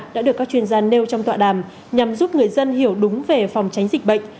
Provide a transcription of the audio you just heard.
đã được các chuyên gia nêu trong tọa đàm nhằm giúp người dân hiểu đúng về phòng tránh dịch bệnh